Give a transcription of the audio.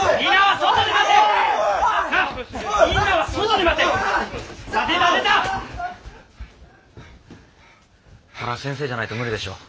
これは先生じゃないと無理でしょう。